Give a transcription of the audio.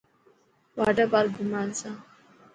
واٽر پارڪ گهمڻ هلسان.